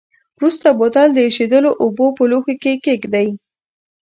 وروسته بوتل د ایشېدلو اوبو په لوښي کې کیږدئ.